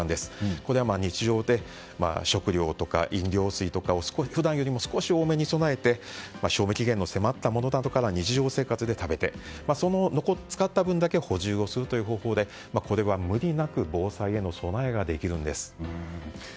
これは、日常で食料とか飲料水とかを普段よりも少し多めに備えて賞味期限が迫ったものから日常生活から食べて使った分だけ補充するという方法で無理なく防災への備えができるんです。